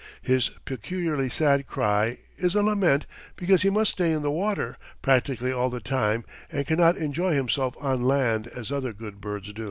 His peculiarly sad cry is a lament because he must stay in the water practically all the time and cannot enjoy himself on land as other good birds do.